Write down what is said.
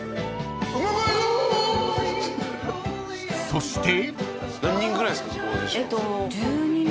［そして］